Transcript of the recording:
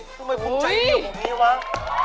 ก็ไม่คุ้มใจเยี่ยวของพี่วะ